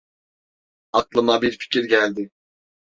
Aklıma bir fikir geldi.